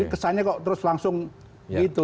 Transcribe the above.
kesannya kok terus langsung gitu